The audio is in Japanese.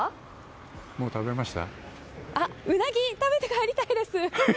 ウナギ、食べて帰りたいです！